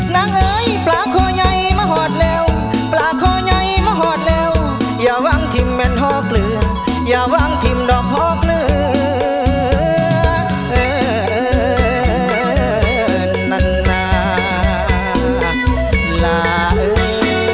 น้องเอ๋ยปลาขอยัยมาหอดเร็วปลาขอยัยมาหอดเร็วอย่าวางทิมเป็นห้อเกลืออย่าวางทิมดอกห้อเกลือเอ่อน่าล่าเอ๋ย